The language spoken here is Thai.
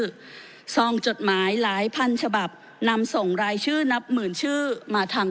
ซองจดหมายหลายพันฉบับนำส่งรายชื่อนับหมื่นชื่อมาทาง